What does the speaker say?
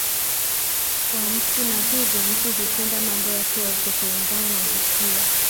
wa mtu Na hivyo mtu hutenda mambo yake yote kulingana na hisia